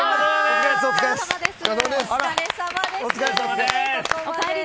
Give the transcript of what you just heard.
お疲れさまです。